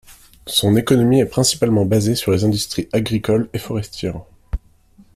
Son économie est principalement basée sur les industries agricole et forestière.